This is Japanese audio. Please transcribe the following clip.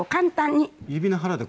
指の腹で。